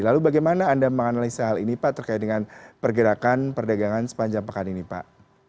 lalu bagaimana anda menganalisa hal ini pak terkait dengan pergerakan perdagangan sepanjang pekan ini pak